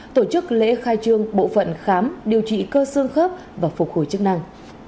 tổ chức lễ khai trương bộ phận khám điều trị cơ xương khớp và phục hồi chức năng